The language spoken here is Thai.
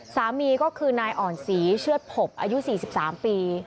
สามีก็คือนายอ่อนศรีเชือดผบอายุ๔๓ปี